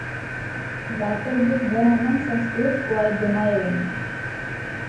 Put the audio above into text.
شلاتر بچ برھمن سنسکرت قوائد دے ماہر ہن۔